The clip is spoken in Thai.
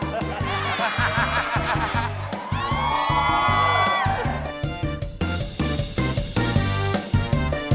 นุ่มนุ่มและท้ำเตย